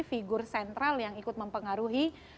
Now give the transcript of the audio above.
figur sentral yang ikut mempengaruhi